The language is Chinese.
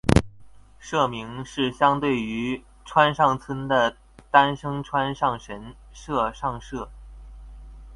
社名是相对于川上村的丹生川上神社上社。